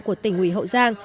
của tỉnh ủy hậu giang